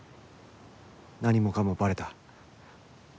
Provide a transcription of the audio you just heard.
何もかもバレた。